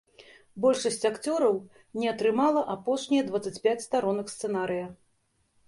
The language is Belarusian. Большасць акцёраў не атрымала апошнія дваццаць пяць старонак сцэнарыя.